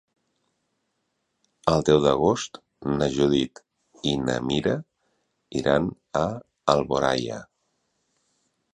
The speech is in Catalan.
El deu d'agost na Judit i na Mira iran a Alboraia.